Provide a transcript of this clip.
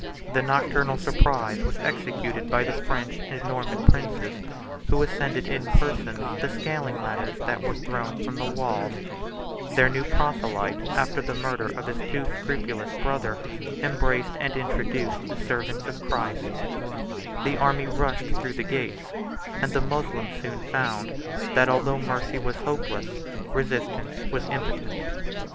The nocturnal surprise was executed by the French and Norman princes, who ascended in person the scaling ladders that were thrown from the walls: their new proselyte, after the murder of his too scrupulous brother, embraced and introduced the servants of Christ; the army rushed through the gates; and the Moslems soon found, that although mercy was hopeless, resistance was impotent.